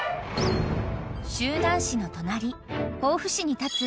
［周南市の隣防府市に建つ］